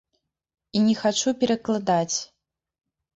І не хачу перакладаць.